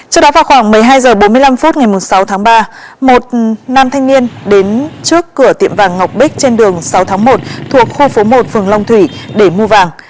trước đó vào khoảng một mươi hai h bốn mươi năm phút ngày sáu tháng ba một nam thanh niên đến trước cửa tiệm vàng ngọc bích trên đường sáu tháng một thuộc khu phố một phường long thủy để mua vàng